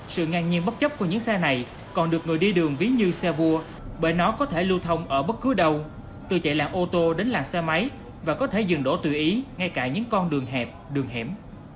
sự ngang nhiên bất chấp của những xe này còn được người đi đường ví như xe vua bởi nó có thể lưu thông ở bất cứ đâu từ chạy làng ô tô đến làng xe máy và có thể dừng đổ tự ý ngay cả những con đường hẹp đường hẻm